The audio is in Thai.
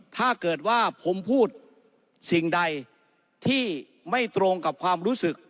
ถ้าเกิดว่าผมพูดสิ่งใดที่ไม่ตรงกับความรู้สึก